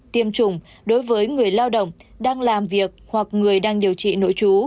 tiêm chủng đối với người lao động đang làm việc hoặc người đang điều trị nội trú